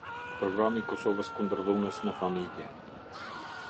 Programi i Kosovës Kundër Dhunës në Familje.